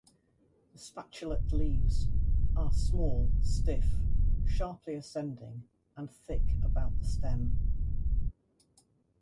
The spatulate leaves are small, stiff, sharply ascending and thick about the stem.